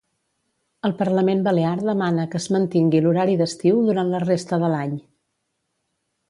El Parlament Balear demana que es mantingui l'horari d'estiu durant la resta de l'any.